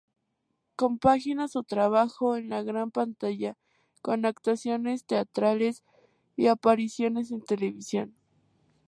Compagina su trabajo en la gran pantalla con actuaciones teatrales y apariciones en televisión.